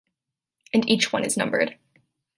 And each one is numbered.